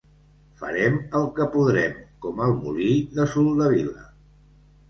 Farem el que podrem, com el molí de Soldevila.